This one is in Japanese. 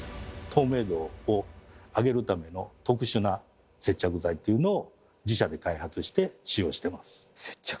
透明度を上げるための特殊な接着剤というのを自社で開発して使用してます。